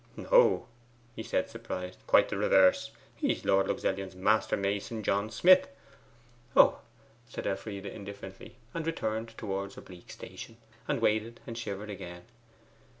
'No,' he said surprised; 'quite the reverse. He is Lord Luxellian's master mason, John Smith.' 'Oh,' said Elfride indifferently, and returned towards her bleak station, and waited and shivered again.